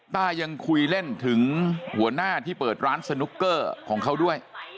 ต้ายังคุยเล่นถึงหัวหน้าที่เปิดร้านสนุกเกอร์ของเขาด้วย